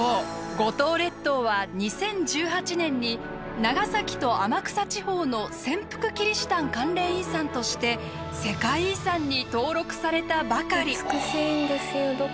五島列島は２０１８年に「長崎と天草地方の潜伏キリシタン関連遺産」として世界遺産に登録されたばかり。